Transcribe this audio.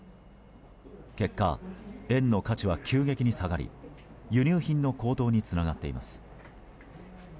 結果、円の価値は急激に下がり輸入品の高騰につながっています。